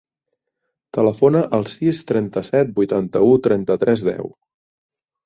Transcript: Telefona al sis, trenta-set, vuitanta-u, trenta-tres, deu.